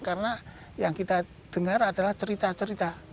karena yang kita dengar adalah cerita cerita